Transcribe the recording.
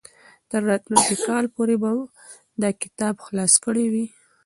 تر راتلونکي کال پورې به ما دا کتاب خلاص کړی وي.